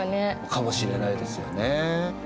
かもしれないですよね。